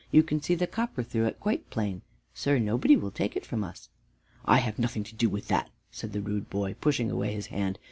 You can see the copper through it quite plain. Sir, nobody will take it from us." "I have nothing to do with that," said the rude boy, pushing away his hand.